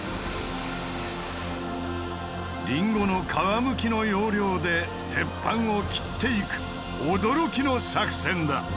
リンゴの皮むきの要領で鉄板を切っていく驚きの作戦だ！